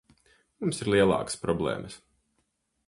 Mums ir lielākas problēmas.